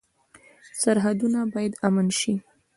سرحدونه باید امن شي